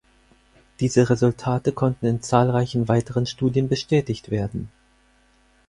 Diese Resultate konnten in zahlreichen weiteren Studien bestätigt werden.